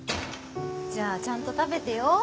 じゃあちゃんと食べてよ。